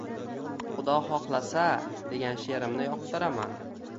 Xudo xoxlasa…” degan she’rimni yoqtiraman.